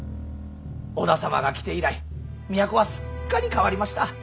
織田様が来て以来都はすっかり変わりました。